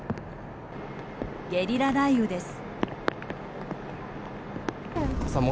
ゲリラ雷雨です。